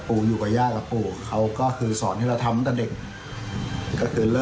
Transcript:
ตอนเด็กอยู่กับญะและปูเค้าก็คือสอนให้เราทำตั้งเด็ก